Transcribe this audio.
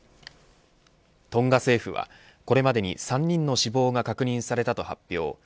トンガ政府は、これまでに３人の死亡が確認されたと発表。